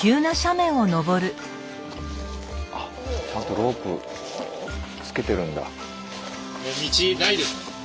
あちゃんとロープつけてるんだ。